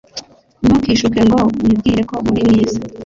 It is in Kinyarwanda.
ntukishuke ngo wibwire ko uri mwiza